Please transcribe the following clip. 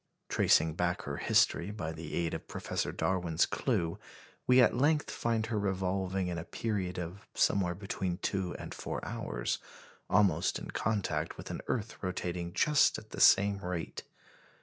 Tracing back her history by the aid of Professor Darwin's clue, we at length find her revolving in a period of somewhere between two and four hours, almost in contact with an earth rotating just at the same rate.